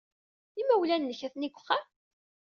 Imawlan-nnek atni deg uxxam?